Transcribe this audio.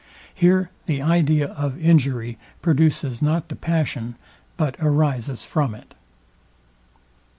Here the idea of injury produces not the passion, but arises from it.